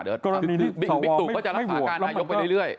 บิ๊กตุกก็จะรับหาการนายกไปเรื่อย